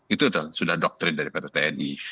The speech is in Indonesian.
itu sudah doktrin daripada tni